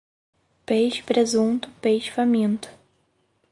Peixe presunto, peixe faminto.